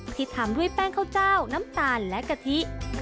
ที่ทำด้วยแป้งข้าวเจ้าน้ำตาลและกะทิ